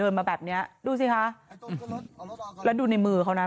อย่างงั้นดูในมือเค้านะ